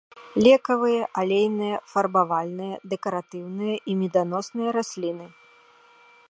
Лекавыя, алейныя, фарбавальныя, дэкаратыўныя і меданосныя расліны.